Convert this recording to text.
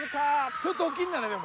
ちょっと大きいんだねでも。